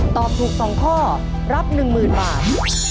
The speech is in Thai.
ตอบถูก๒ข้อรับ๑๐๐๐บาท